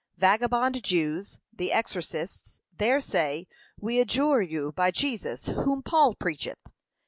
vagabond Jews, the exorcists, there say, 'We adjure you by Jesus, whom Paul preacheth.'